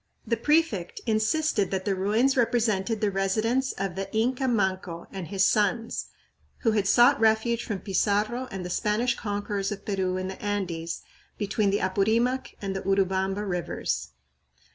The prefect insisted that the ruins represented the residence of the Inca Manco and his sons, who had sought refuge from Pizarro and the Spanish conquerors of Peru in the Andes between the Apurimac and Urubamba rivers.